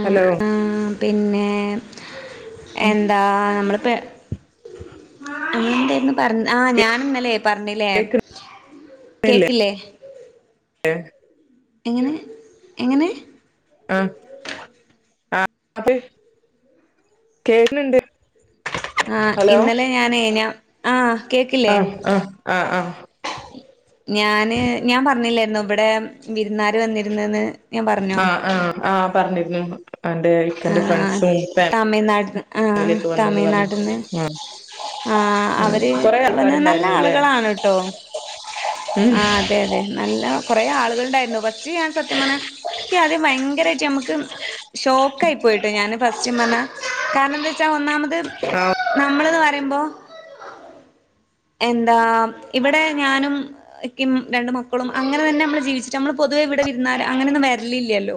ആ ഹലോ ആ പിന്നെ ഉം എന്താ നമ്മള് പെ ആഹ് അന്നെന്തേര്ന്നു പറ ആ ഞാൻ ഇന്നലെ പറഞ്ഞിലെ കേക്കില്ലേ ഏ എങ്ങനെ എങ്ങനെ ആഹ് ആ അത് കേക്ക്ണ് ണ്ട് ആ ഇന്നലെ ഞാനെ ഞ്ഞ ആഹ് ആഹ് ആഹ് ആഹ് ഞാന് ഞാൻ പറഞ്ഞില്ലേര്ന്നോ ഇവിടെ വിരുന്നാര് വന്നിരുന്ന്ന്ന് ആഹ്ആഹ് ആ പറഞ്ഞിരുന്നു എന്റെ ഇക്കന്റെ ആഹ് ഫ്രണ്ട്സും തമിഴ്നാട്ന്ന് ആഹ് ഫാമിലിയൊക്കെ വന്നുന്ന് പറഞ്ഞു തമിഴ്നാട്ട്ന്ന് ഉം ആഹ് ഉം അവര് കൊറെ വന്ന് നല്ല ആൾക്കാരുണ്ടായിരുന്നുല്ലേ ആളുകളാണ് ട്ടോ ഉം ആ അതെ അതെ നല്ല കൊറേ ആളുകൾ ഇണ്ടായിരുന്നു ഫസ്റ്റ് ഞാൻ സത്യം പറഞ്ഞ ക്കി ആദ്യം ഭയങ്കരായിട്ട് നമുക്ക് ഷോക്ക് ആയി പോയിട്ടോ ഞാന് ഫസ്റ്റം പറഞ്ഞ കാരണം വെച്ചാ ഒന്നാമത് ആഹ് നമ്മള്ന്ന് പറയുമ്പോ എന്താ ഇവിടെ ഞാനും ഇക്കിം രണ്ട് മക്കളും അങ്ങനെ തന്നെ നമ്മള് ജീവിച്ചിട്ട് നമ്മള് പൊതുവെ ഇവിടെ വിരുന്നാര് അങ്ങനെയൊന്നും വരലില്ല്യല്ലോ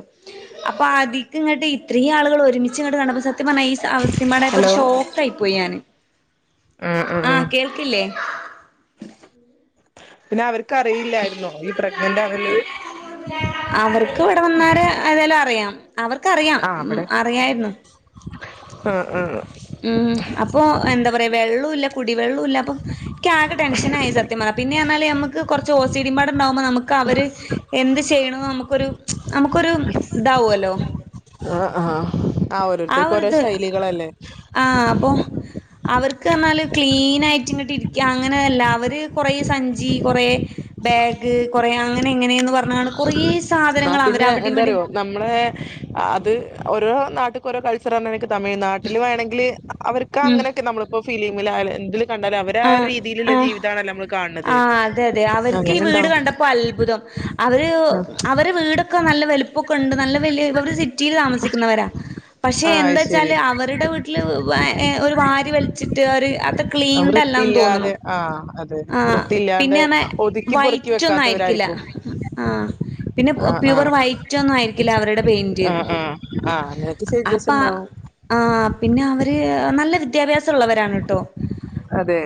അപ്പൊ അധികം ഇങ്ങട്ട് ഇത്രയും ആളുകള് ഒരുമിച്ച് ഇങ്ങട്ട് കണ്ടപ്പൊ സത്യം പറഞ്ഞാ ഈ സ അവസ് തിമ്മാനായപ്പൊ ഒരു ഹലോ ഷോക്കായി പോയി ഞാന് ഉം ഉം ആ ഉം കേൾക്കില്ലേ പിന്നെ അവര്ക്കറിയില്ലായിരുന്നോ നീ പ്രെഗ്നന്റാന്ന്ള്ളത് അവർക്ക് ഇവിടെ വന്നാരെ ഏതായാലും അറിയാം അവർക്കറിയാം ഉം അറിയായിരുന്നു അ അ ഉം അപ്പൊ എന്താ പറയ് വെള്ളുല്ല കുടിവെള്ളൂല്ല അപ്പം ൻക്കാകെ ടെൻഷനായി സത്യം പറഞ്ഞാ പിന്നെർഞ്ഞാല് ഞമ്മക്ക് കൊറച്ച് ഓസിഡിമ്പാടെ ഇണ്ടാക്മ്പം നമ്മക്ക് അവര് എന്ത് ചെ ചെയ്യ്ണോ നമുക്കൊരു ച്ച് നമുക്കൊരു താവോല്ലോ ആഹ് ആഹ് ആഹ് ആ ഓരോരുത്തർക്കും ഒരു ഓരോ ഇത് ശൈലികളല്ലേ ആ അപ്പൊ അവർക്കർഞ്ഞാല് ക്ലീനായിട്ട്ങ്ങട്ട് ഇരിക്ക്യ അങ്ങനെല്ല അവര് കൊറേ സഞ്ചി കൊറേ ബേഗ് കൊറേ അങ്ങനെ ഇങ്ങനെ ന്ന് പറ ആ പിന്നെ ഇവിടിം എന്താറിയോ നമ്മളെ അത് ഓരോ നാട്ട്ക്ക് ഓരോ കൾച്ചറാന്നെനക്ക് തമിഴ്നാട്ടില് വേണെങ്കില് അവർക്ക് ഉം അങ്ങനെക്കെ നമ്മളിപ്പ ഫിലി മായാല് എന്തില് കണ്ടാല് അവരെ ആ ഒരീ ആഹ് രീതിയില്ള്ളെ ആഹ് ജീവിതാണല്ലൊ മ്മള് കാൺണത് ആഹ് അതെ അതെ അവർക്ക് ഈ വീട് അങ്ങനെണ്ടാവും കണ്ടപ്പോ അത്ഭുതം അവര് ആ അവരെ വീടൊക്ക നല്ല വലുപ്പൊക്കെണ്ട് നല്ല വല്യ അവര് സിറ്റില് താമസിക്ക്ന്നവരാ പക്ഷെ ആഹ് അത് ശരി എന്താചാല് അവര്ടെ വീട്ടില് വ ഏ ഒരു വാരി വലിച്ചിട്ട് ഒര് അത്ര ക്ലീൻഡ് അല്ലാന്ന് തോന്നുണു ആ അതെ തെ ആഹ് വൃത്തിയില്ലാണ്ടെ പിന്നെ പറഞ്ഞാ ഒതുക്കി പൊറുക്കി വെക്കാത്തവരായിരിക്കും ആ പിന്നെ ആഹ് പ്യുവർ ആഹ് വൈറ്റാെന്നും ആയിരിക്കില്ല അവരടെ പെയിന്റ് ആഹ് ആഹ് ആഹ് അങ്ങനെയൊക്കെ ചേഞ്ചസ് അപ്പ ഉണ്ടാവും ആഹ പിന്നെ അവര് നല്ല വിദ്യാഭ്യാ സള്ളവരാണ് ട്ടൊ അതെ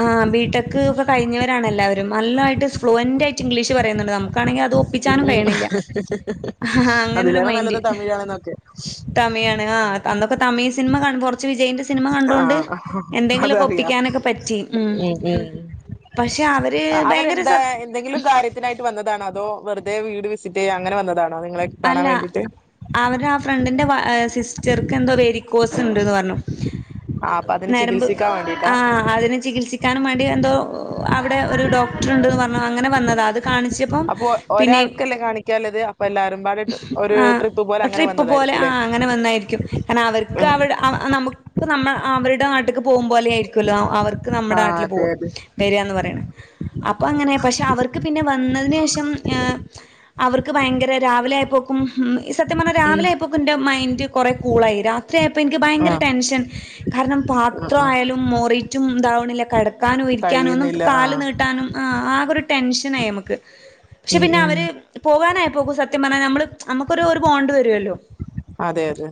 ആ ബീടെക്ക് ഒക്കെ കഴിഞ്ഞവരാണെല്ല ല്ലാവരും നല്ലായിട്ട് ഫ്ലൂവന്റായിട്ട് ഇംഗ്ലീഷ് പറയുന്നുണ്ട് നമ് ക്കാണെങ്കി അത് ഉം ഒപ്പിച്ചാനും ഉം കയ്യ്ണ്ല്ല ഹ ഹാ അങ്ങനൊരു അതിലേറെ മൈൻഡ് നല്ലത് തമിഴാണെന്നൊക്കെ തമിഴാണ് അന്നൊ തമിഴ് സിനിമ കാണുമ്പ കൊറ്ച്ച് വിജയിന്റെ സിനിമ കണ്ടോണ്ട് ആഹ് എന്തെങ്കിലൊക്കെപ്പിക്കാനൊക്കെ പറ്റി ഉം എടീ പക്ഷെ അവര് ഭയങ്കര സ അവരെന്താ എന്തെങ്കിലും കാര്യത്തിനായിട്ട് വന്നതാണോ അതോ വെ വെറ്തെ വീട് വിസിറ്റെയ്യ് അങ്ങനെ വന്നതാ അല്ല അവര് ആ ഫ്രണ്ടിന്റെ വയ എ സിസ്റ്റർക്ക് എന്തോ വെരിക്കോസ് ഉണ്ട്ന്ന് പറഞ്ഞു ആ അപ്പൊ അതിന് ഞരമ്പ് ചികിത്സിക്കാൻ ആ വേണ്ടിട്ടാ അതിനെ ചികിത്സിക്കാനും വേ എന്തോ അവിടെ ഒരു ഡോക്ടർ ഉണ്ട്ന്ന് പറഞ്ഞു അങ്ങനെ വന്നതാ അത് കാണിച്ചപ്പം അപ്പൊ ഒരാൾക്കല്ലെ കാണിക്കാല്ലത് എല്ലാരും പാടെ ഒരു ട്രിപ്പ് പോലെ ആ അങ്ങനെ ട്രിപ്പ് പോലെ ആ വന്നതായിരിക്കുംല്ലേ അങ്ങനെ വന്നായിരിക്കും കാരണം അവർക്ക് ഉം അവി അ നമുക്ക് നമ്മആ അവര് അവരെ നാട്ട്ക്ക് പോവുമ്പോലെയിര്ക്ക്ല്ലോ അവർക്ക് ആ നമ്മ്‌ടെ നാട്ടില് അതെ പോവും അതെ വര്ആന്ന് പറയിണ അപ്പ അങ്ങനെ പക്ഷെ അവർക്ക് പിന്നെ വന്നതിനേഷം ഏ അവർക്ക് ഭയങ്കര ഓല് ആയപ്പേക്കും ഉ ഈ സത്യം പറഞ്ഞാൽ ഉം രാവിലെ ആയപ്പോൊക്ക എന്റെ മൈൻഡ്കുറെ കൂളായി രാത്രി ആയപ്പോ എനിക്ക് ആ ഭയങ്കര ടെൻഷൻ കാരണം ആ ആ പാത്രയാലും മോറീട്ടും ഇതാവണ ഇല്ല കെടക്ക് നിക്കാനോ ഇരിക്കാനോ ഒന്നുമ്മക്ക് കഴിയുന്നില്ല ആ കാല് നീട്ടാനും ആഹ് ഒരു ടെൻഷൻ ആയി അമ്മക്ക് പക്ഷെ ഉം പിന്നെ ഉം അവര് പോകാനായപ് പോകൂസബ് ത്യം പറ്ഞ്ഞാ നമ്മള് നമുക്കൊരു ഒരു ബോണ്ട് വരോല്ലോ അതെ അതെ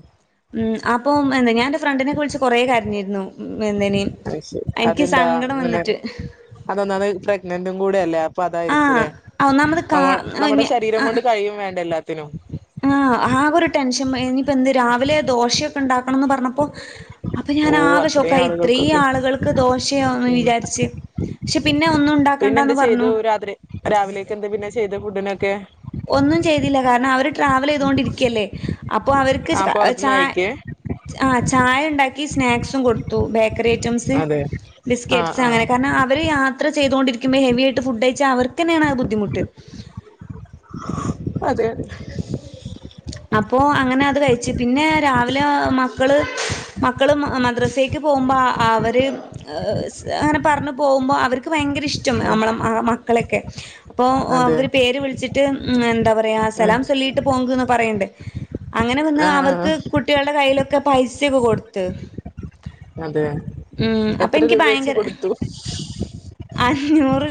ഉം അപ്പം എന്താ ഞാനെന്റെ ഫ്രണ്ടിനൊക്കെ വിളിച്ച് കൊറേ കരഞ്ഞിരുന്നു ഉം അഹ് ശെരി അതെന്താ അങ്ങനെ വന്നിട്ട് അതൊന്നാണ് പ്രഗ്നെന്റ് ഇന്നും കൂടെയല്ലേ അപ്പ ആഹ് അതായിരിക്കൂല്ലെ ഒന്നാമത് കാ നമ്മ നമ്മൊ ടെ ശരീരം ആഹ് കൊണ്ട് കഴിയും വേണ്ടല്ലാർക ത്തിനും ആഹ് ആകൊരു ടെൻഷൻ ഇഞ്പ്പ എന്ത് രാവിലെ ദോശയൊക്കെ ഇണ്ടാക്കണംന്ന് പറഞ്ഞപ്പോ അപ്പെം ഓ ഞാനാകെ അത്രയും ഷോക്കായി ഇത്രയീ ആളുകൾക്കൊക്കെ ആളുകൾക്ക് ദോശയോ ന്ന് ഉം വിചാര്ച്ച് ക്ഷെ പിന്നെ ഒന്നും പിന്നെ എന്ത് ഉണ്ടാക്കണ്ടാന്ന് ചെയ്തു പറഞ്ഞു രാത്രി രാവിലേക്ക് എന്താ പിന്നെ ചെയ്ത് ഫുഡിനൊക്കെ ഒന്നും ചെയ്തില്ല കാരണം അവര് ട്രാവൽ ചെയ്തൊണ്ടിരിക്കല്ലേ. അപ്പൊ അവർക്ക് ആ ച പുറത്തുന്ന് ചായ കഴിക്കേ ആഹ് ചായ ഉണ്ടാക്കി. ഈ സ്നാക്സും കൊടുത്തു ബേക്കറി ഐറ്റംസ് അതെ ആ ബിസ്കറ്റ് ആ അങ്ങനെ കാരണം അവര് ത്ര ചെയ്തൊണ്ടിരിക്കുമ്പെ ഹെവി ആയിട്ട് ഫുഡ്‌ കഴിച്ച അവർക്കെ ന്നെണ് അഹ് ബുദ്ധിമുട്ട് അതെ അതെ അപ്പോ അങ്ങനെ അത് കഴിച്ച് പിന്നെ രാവിലെ മക്കള്മക്കള് മദ്രസേക്ക് പോകുമ്പോഅവര് അങ്ങെനെ പറന്ന് പോകുമ്പോ അവർക്ക് ഭയങ്കെര ഇഷ്ടം ആ അമ്മളെ ആഹ് മക്കളെ ഓക്കെ. അപ്പൊ അതെ അവര് പേര് വിളിച്ചിട്ട് എന്താ പറയാ സലാം ആ ചൊല്ലിയിട്ട് പോങ്ക് എന്ന് ണ്ട്. അങ്ങനെ വന്ന് ആ അവർക്ക് കുട്ടികളുടെ കയ്യിലൊക്കെ പൈസയൊക്കെ കൊടുത്ത്. അതെ ഉം അപ്പൊ എത്ര എനിക്ക് രൂപ വച്ച് ഭയങ്കര കൊടുത്തു?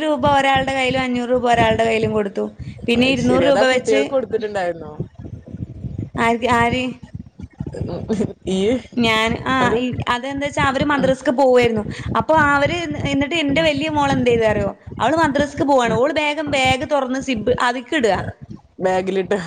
ഒരു രൂപ ഒരാളുടെ കയ്യിലും അഞ്ഞൂറ് രൂപ ഒരാളുടെ കയ്യിലും കൊടുത്തു. പിന്നെ ശെരി ഇരുന്നൂറ് അതാ രൂപ വെച്ച് കുട്ടികൾക്ക് കൊടുത്തിട്ടുണ്ടായിരുന്നോ? ആര്ക്ക് ആര്? [unintelligible] ഞാൻ ആ അത് അതെന്താ വെച്ചാ അവര് മദറിസ്ക്ക് പോവായിരുന്നു അപ്പൊ അവ ര് എന്നിട്ട് എന്റെ വലിയ മോളെന്തെയ്ത് അറിയോ അവള് മദറിസ്ക് പോവാണ് ഓള് വേഗം ബാഗ് തുറന്ന് സിബ് അതിക്കിടുക. ബാഗിലിട്ട്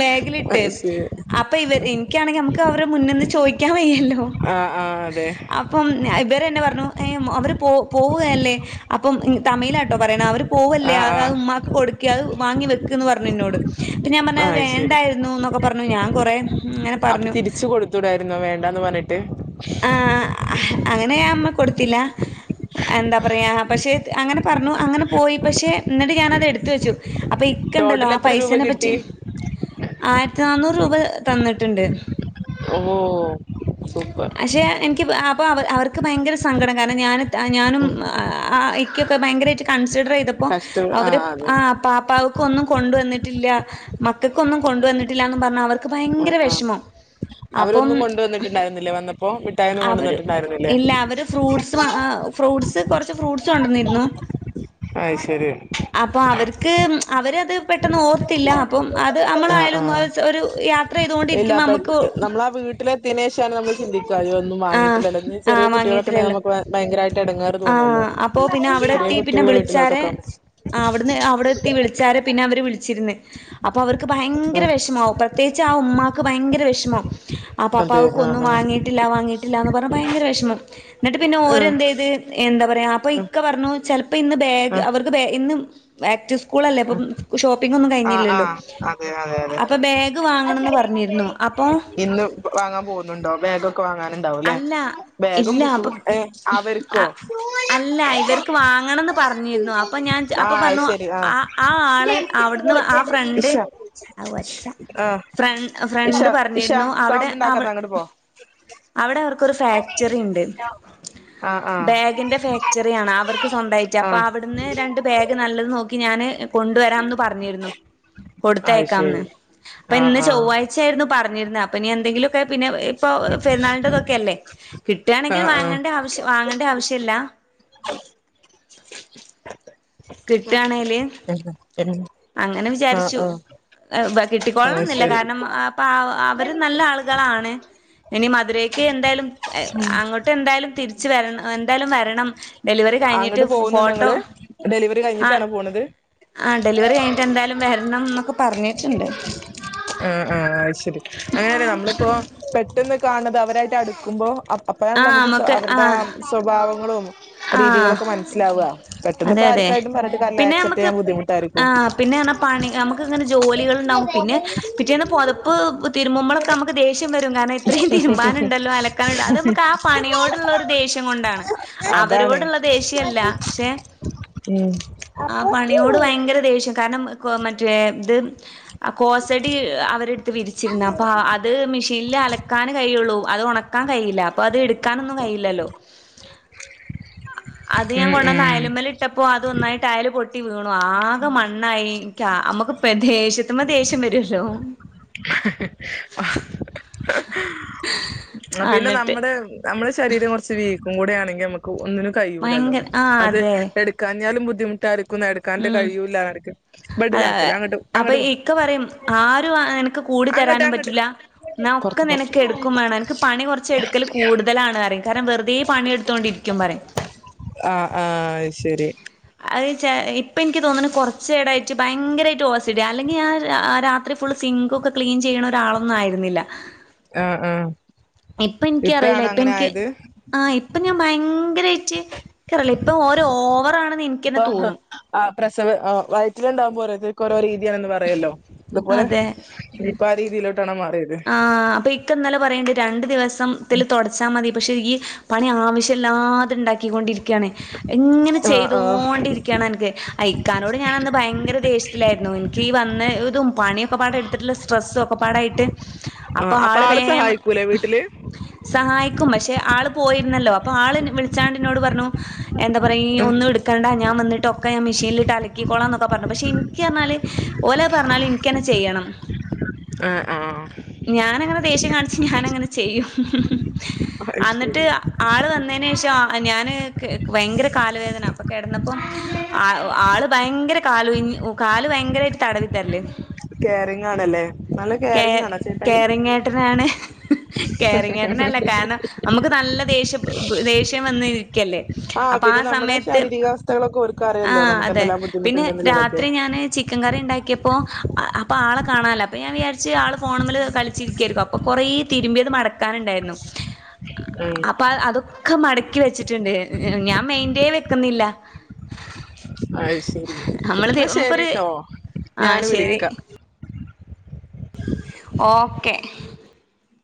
ബാഗിലിട്ട് അത് ശരി അപ്പൊ ഇവര് എനിക്കാണെങ്കിൽ നമുക്ക് ത്തോ അവരെ മുന്നിന്ന് ചോയിക്കാൻ വയ്യല്ലോ ആ ആ അതെ [unintelligible] അപ്പം [unintelligible] ഇവരേന്ന പറഞ്ഞു ഏയ് അവര് പോ പോവുകയല്ലേ അപ്പം തമ്മീലാട്ടോ പറയണ അവര് പോവല്ലേ ആ ആഹ് ആ അത് ഉമ്മാക്ക് കൊടു ക്കെ അത് വാങ്ങി വെക്ക് ന്ന് പറഞ്ഞെന്നോട് പിന്നെ ഞാൻ ആ പറഞ്ഞത് ശരി വേണ്ടായിരുന്നുന്നൊ പറഞ്ഞു ഞാൻ കൊറേ ഇങ്ങനെ അപ്പൊ പറഞ്ഞു. തിരിച്ച് കൊടുത്തൂടായി രുന്നോ വേണ്ടാന്ന് പറഞ്ഞി ട്ട് അങ്ങനെയമ്മ കൊടുത്തില്ല എന്താ പറയാ പക്ഷെ അങ്ങനെ പറഞ്ഞു അങ്ങനെ പോയി പക്ഷെ എന്നട്ട് ഞാനത് എടുത്തുവെച്ചു അപ്പൊ ഇക്കണ്ടല്ലോ ടോട്ടൽ ആ എത്ര രൂപ പൈസേനെ കിട്ടി പറ്റി ആഹ് പത്ത് നാന്നൂറ് രൂപ തന്നിട്ടുണ്ട് ഓ സൂപ്പർ പക്ഷെ എനിക്കപ്പ അപ്പ അവ അവർക്ക് ഭയങ്കര സങ്കടം കാരണം ഞാന് ത ഞാനും ഉം ആഹ് ആ ഇക്കൊക്കെ ഭയ്ങ്കരായിട്ട് കൺ സിഡറ് ചെയ്തപ്പോ കഷ്ട ആ അവര് അതെ ആഹ് പാപ്പാ ക്കൊന്നും കൊണ്ടുവന്നിട്ടില്ല മക്കക്കൊന്നും കൊണ്ടുവന്നിട്ടില്ലാന്ന് പറഞ്ഞ് അവർക്ക് ആ ഭൈങ്കര ആ വെഷമം. അവരൊന്നും കൊണ്ടുവന്നിട്ടുണ്ടായിരുന്നില്ലേ വന്ന അവര് ഇല്ല അവര് ഫ്രൂട്ട്സ് ആഹ് ഫ്രൂട്ട്സ് കൊറച്ച് ഫ്രൂട്ട്സ് കൊണ്ടന്നിരുന്നു അത് ശരി ക്ക് അവരത് പെട്ടെന്ന് ഓർത്തില്ല അപ്പം അത് ആ ആ അമ്മളായാലും ഒര് ഒരു യാത്ര ചെയ്തോണ്ടിരിക്കുമ്പ നമ്മുക്ക് ത്തിയേന് ശേഷാണ് നമു ചിന്തിക്കാ ഒന്നും വാങ്ങീട്ടില്ലല്ലോ ഇനി ആ ചെറിയ കുട്ടികളൊക്കെ ഇണ്ടെങ്കി വാങ്ങിയിട്ടില്ലല്ലോ നമുക്ക് ബ ബയങ്കരായി ഒരു എടങ്ങാറ് തോന്നുവല്ലോ ആഹ് അപ്പൊ പിന്നെ അവിടെ ചെറിയ എത്തി പിന്നെ കുട്ടിയുള്ള വിളിച്ചാരെ വീട്ടിലോട്ടെക്കാ ആഹ് അവിടുന്ന് അവിടെ എത്തി വിളിച്ചാരെ പിന്നെ അവർ വിളിച്ചിരുന്നു അപ്പൊ അവർ ഭയങ്കര ആ വിഷമാവും പ്രത്യേകിച്ച് ആ ഉമ്മാക്ക് ഭയങ്കര വെഷമം അപ്പ അതെ അപ്പാവക്ക് ആ ഒന്നും ആ വാങ്ങിട്ടില്ല വാങ്ങിട്ട് ഇല്ലന്ന് പറഞ്ഞ ഭയങ്കര വെഷമം ന്നിട്ട് പിന്നെ ആ ഓര് ന്ത്ചെയ്ത് എന്താ പറയാ അപ്പൊ ഇക്ക പറഞ്ഞു ചെല അപ്പൊ ഇന്ന് ബാഗ് അവർക്ക് ഇന്ന് വാക്റ്റിസ് സ്കൂളല്ലേ അപ്പോഷോപ്പിംഗ്ഒന്നും ആ ആ ആ കഴിഞ്ഞില്ലല്ലോ ആ അതെ അതെ അതെ അപ്പൊ ബാഗ് വാങ്ങണം എന്ന് പറഞ്ഞിരുന്നു അപ്പൊ ഇന്ന് വാങ്ങാൻ ഉണ്ടാവുംല്ലേ അല്ല ബാഗും ഇല്ല ബുക്കും അപ്പൊ ഏ അവർക്കോ അ അല്ല ഇവർക്ക് വാങ്ങണംന്ന് പറഞ്ഞിരുന്നു അപ്പൊ ഞാൻ അപ്പൊ ആഹ് അത് പറഞ്ഞു ശരി ആഹ് ആ ആ ആള് അവിടെന്ന് ആ ഫ്രണ്ട് ഇഷ അവച്ച ആഹ് ഇഷ ഫ്രണ്ട് ഇഷ പറഞ്ഞിരുന്നു അവിടെ സൗണ്ട് ഉണ്ടാക്കാതെ അങ്ങോട്ട് പോ അവിടെ വർ ഇക്ക് ഒരുഫാക്ടറി ണ്ട് ആഹ് ആഹ് ബാഗിന്റെ ഫാക്ടറിആണ് അവർക്ക് സ്വന്തമായിട്ട് അപ്പോ ആഹ് അവിടുന്ന് രണ്ട് ബാഗ് നല്ലത് നോക്കി ഇക്ക്ഞാന് കൊണ്ടുവരാന്ന് പറഞ്ഞിരുന്നു അത് കൊടുത്തയക്കാംന്ന് ശരി അപ്പൊ ആഹ് ഇന്ന് ആഹ് ചൊവ്വാഴ്ച ആയിരുന്നു പറ ഞ്ഞിരിന്ന് അപ്പ നീ എന്തങ്കിലും പ്പെ പിന്നെ ഇപ്പൊ പെരുന്നാൾ ഇട്ടത്തൊക്കെല്ലേ കിട്ടുകയാണെങ്കിൽ ആഹ് വാങ്ങേണ്ട ആവശ്യ വാങ്ങേണ്ട ആവശ്യല്ല കിട്ടാണേല് ആഹ് അങ്ങനെ ആഹ് വിചാരിച്ചു ആഹ് കിട്ടിക്കോളണ അത് ന്നില്ല ശരി കാരണം അപ്പൊ അവര് നല്ല ആളുകളാണ് ഇനി മധുരയ്ക്ക് എന്തായാലും അങ്ങോട്ട് എന്തായാലും തിരി തിരിച്ച് വരണംഎന്തായാലും വരണം ഡെലിവറി ആ കഴിഞ്ഞിട്ട് അങ്ങട്ട് പോകുന്നുണ്ടോ ഫോട്ടോ ഇങ്ങള് ഡെലിവറി കഴിഞ്ഞിട്ടാണ് പോണത് ഡലിവറി കഴിഞ്ഞിട്ട്എന്തായാലും വരണം ന്നൊക്കെ പറഞ്ഞിട്ടുണ്ട് അങ്ങനെയല്ലേ നമ്മളിപ്പോ പെ പെട്ടന്ന് കാണുന്നത് അവരായിട്ട് അടുക്കുമ്പോ അ അപ്പഴാണല്ലൊ നമുക്ക് അവരുടെ ആ സ്വഭാവങ്ങളും ആ രീതികളൊക്കെ മനസ്സിലാവുക പെട്ടെന്ന് അതെ ഇപ്പോ അതെ ആർക്കായിട്ടും പറഞ്ഞിട്ട് കാര്യംല്ല പിന്നെ ആക്സെപ്റ്റ് നമുക്ക് ചെയ്യാൻ ആ ബുദ്ധിമുട്ടായിരിക്കും പിന്നെ പറഞ്ഞാ ന്നെ പിറ്റേന്ന് പൊതപ്പ്തിരുമ്പുമ്പളൊക്കെ മ്മക്ക് ദേഷ്യം വരും ഇത്രയും തിരുമ്പാനുണ്ടല്ലോ അലക്കാനുണ്ട അത് നമു ആ പണിയോടുള്ള ഒരു ദേഷ്യം കൊണ്ടാണ്. അതാണ് അവരോടുള്ള ദേഷ്യല്ല. പക്ഷെ ഉം ആ പണിയോട് ഭയങ്കര ദേഷ്യം കാരണം ക്വ മറ്റേ ഇത് കോസടി അവരെടുത്ത് വിരിച്ചിരുന്ന് അപ്പൊ അത് മെഷീനിൽ അലക്കാന് കഴിയൊ ള്ളു അത് ഒണ ക്കാൻ കഴിയില്ല. അത് എടുക്കാനൊന്നും കഴിയില്ലാല്ലോ അത് ഞാൻ ഉം കൊണ്ടുവന്ന് ഉം അയലുമേലിട്ടപ്പോ അത് ഒന്നായി ടയല് പൊട്ടി വീണു ആകെ മണ്ണായിരിക്കാ നമ്മുക്ക് പെ ദേഷ്യത്തുമ്മെ ദേഷ്യം വരുവല്ലോ ആ പിന്നെ നമ്മടെ നമ്മളെ ശരീരം കൊറച്ച് വീക്കും കൂടി ആണെങ്കി അമുക്കു ഒന്നിനും കഴിയൂലല്ലോ ഭയങ്കര ആ അത് അതെ എട്ക്കാഞ്ഞാലും ബു ദ്ധിമുട്ടാര് ഉം അതെ അയെ ബെഡിലാക്കല അങ്ങോട്ട് അപ്പൊ അങ്ങോട്ട് പോ ഇക്ക പറിം ആരും അനക്ക് കൂടി അങ്ങോട്ട് തരാനും അങ്ങോട്ട് പറ്റില്ല ഇന്നാ ഒക്കെ പുറത്ത് പുറത്ത് നിനക്ക് എടുക്കും വേണ അൻക്ക് പണി കൊറച്ച് എടുക്കല് കൂടുതലാണ് അറിം കാരണം വെറ്തേ പണിയെടുത്തോണ്ടിരിക്കും പറിം. ആ ആ അത് ശരി അഹ് ചെ ഇപ്പ ഇനിക്ക് തോന്ന്ണ് കൊറച്ചെടായിട്ട് ഭയങ്കരായിട്ട് ഓ സി ഡി യാ അല്ലെങ്കി ഞാൻ രാ ആ രാത്രി ഫുളള് സിങ്കൊക്കെ ക്ലീൻ ചിയ്യ്ണ ഒരാളൊന്നും ആയിര്ന്നില്ല. ആഹ് ആഹ് ഇപ്പൻക്ക് അറീല ഇപ്പൻക്ക് ആ ഇ പ്പൊ ഞാൻ ഭയങ്കരായിട്ട് ഇക്കറീല ഇപ്പൊ ഒരോവറാണ് ന്ന് ഇൻ ക്കെന്നെ തോന്നും. പ്രസവ് ആ വയറ്റിലുണ്ടാവുമ്പോ ഓരോരുത്തർക്ക് ഓരോ രീതിയാണെന്ന് പറയെല്ലോ ഇതുപോലെ ഇനിപ്പാ ആ രീതിയിലോട്ടാണോ മാറി ആ അപ്പൊ ഇക്ക ഇന്നലെ പറയണ്ട് രണ്ട് ദിവസംത്തില് തൊടച്ചാ മതി പക്ഷെ ഈ പണി ആവശ്യയില്ലാതെ ഉണ്ടാക്കി ക്കിക്കൊണ്ടിരിക്കാണ് ഇങ്ങനെ ആ ആ ചെയ്തോണ്ടിരിക്കണൻക്ക് ഇക്കാനോട് ഞാനന്ന് ഭയങ്കര ദേഷ്യത്തിലായിരുന്നു ഇൻക്കീ വന്ന ഇതും പണിയൊക്കെപ്പാടെ എട്ത്തിട്ട് ള്ളെ സ്ട്രെസ്സും ഒക്കപ്പാടായിട്ട് ആ അപ്പൊ ആള് വേഗം സഹായിക്കൂലേ വീട്ടില് സഹായിക്കും പക്ഷെ ആള് പോയിരുന്നല്ലോ അപ്പൊ ആള് വിളിച്ചാണ്ടിന്നോട് പറഞ്ഞു എന്താ പറയാ ഈ ഒന്നും എടുക്കേണ്ട ഞാൻ വന്നിട്ട് തൊക്കെ ഞാൻ മെഷീനിലിട്ട് അലക്കിക്കോളാം എന്നൊക്കെ പറഞ്ഞു പക്ഷെ എനിക്കാന്നാല് ഓലെ പറഞ്ഞാല് ഇനിക്കുതന്നെ ചെയ്യണം ആഹ് ഞാനങ്ങനെ ദേഷ്യം കാണിച്ച് ഞാൻ അങ്ങനെ ചെയ്യും അത് അന്നിട്ട് ശരി ആള് വന്നേനേഷ പ ഞാന് ഭയങ്കര കാലു വേദന അപ്പൊ കിടന്നപ്പോ ആ ആള് ഭയങ്കര കാല് കാല് ഭയങ്കരായിട്ട് തടവി തരല് കേയറിങ് ആണല്ലേ നല്ല കേ കെയറിങ് ആണോ ചേട്ടായി കെയറിങേട്ടനാണ് കെയറിങ്ങേട്ടനല്ല കാരണം നമുക്ക് നല്ല ദേഷ്യ ദേഷ്യം വന്ന് ഇരിക്കല്ലേ അപ്പം ആ പിന്നെ നമ്മുടെ സമയത്ത് ശാരീരികാവസ്ഥകളൊക്കെ ഓർക്ക് അറിയല്ലോ ആഹ് നമുക്ക് അതെ എന്തെല്ലാം പിന്നെ ബുദ്ധിമുട്ടുണ്ടെന്നുള്ളതൊക്കെ രാത്രി ഞാന് ചിക്കൻ കറി ഇണ്ടാക്കിയപ്പോ അപ്പൊ ആളെ കാണാല അപ്പൊ ഞാൻ വിയാരിച്ച് ആള് ഫോൺമൽ കളിച്ചിരിക്കായിരിക്കും അപ്പൊ കൊറേ തിരുമ്പിയത് മടക്കാനുണ്ടായിരുന്നു ഉം അപ്പാ അതു ഒക്കെ മടക്കി വെച്ചിട്ടുണ്ട് ഞാൻ മെയിന്റേ വെക്കുന്നില്ല അയ്ശരി നമ്മള് എന്നാ നമുക്കൊരു ശരിട്ടോ ആഹ് ഞാന് ശരി വിളിക്കാം ഓക്കെ